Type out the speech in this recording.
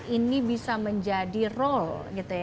ini bisa menjadi role